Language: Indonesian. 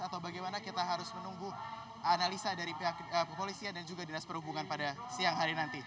atau bagaimana kita harus menunggu analisa dari pihak kepolisian dan juga dinas perhubungan pada siang hari nanti